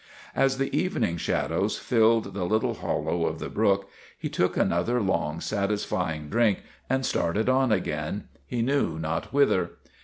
As the evening shadows filled the little hollow of THE RETURN OF THE CHAMPION 307 the brook he took another long, satisfying drink and started on again, he knew not whither.